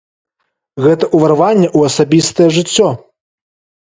Гэта ўварванне ў асабістае жыццё.